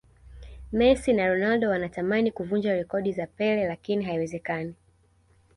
mess na ronaldo wanatamani kuvunja rekodi za pele lakini haiwezekani